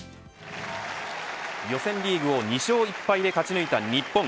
予選リーグを２勝１敗で勝ち抜いた日本。